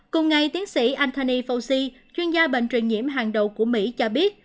cùng ngày tiến sĩ antany fauci chuyên gia bệnh truyền nhiễm hàng đầu của mỹ cho biết